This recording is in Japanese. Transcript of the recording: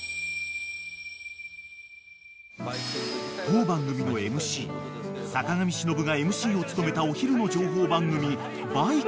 ［当番組のＭＣ坂上忍がＭＣを務めたお昼の情報番組『バイキング』が］